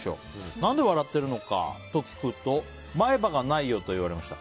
何で笑ってるのかと聞くと前歯がないよと言われました。